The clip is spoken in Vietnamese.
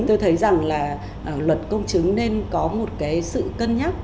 tôi thấy rằng là luật công chứng nên có một cái sự cân nhắc